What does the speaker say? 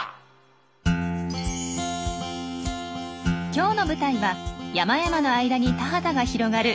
今日の舞台は山々の間に田畑が広がる